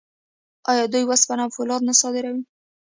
آیا دوی وسپنه او فولاد نه صادروي؟